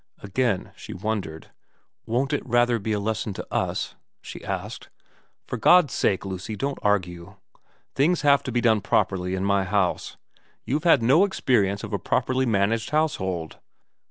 Again she wondered. * Won't it rather be a lesson to us ?' she asked. ' For God's sake, Lucy, don't argue. Things have to be done properly in my house. You've had no experience of a properly managed household.